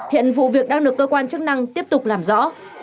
hiện vụ việc đang được cơ quan chức năng tiếp tục làm rõ